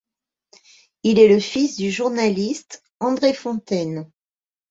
Il est le fils du journaliste André Fontaine.